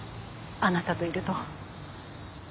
あなたといると。